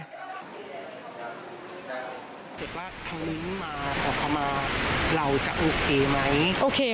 เธอว่าทางนี้มาขอเข้ามาเราจะโอเคไหม